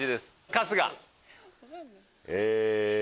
春日。